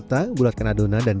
bila sudah selesai dipanggang